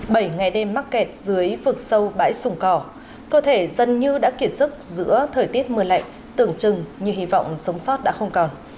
bảy ngày đêm mắc kẹt dưới vực sâu bãi sủng cỏ cơ thể dân như đã kiệt sức giữa thời tiết mưa lạnh tưởng chừng như hy vọng sống sót đã không còn